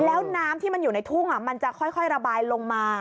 แล้วน้ำที่มันอยู่ในทุ่งมันจะค่อยระบายลงมา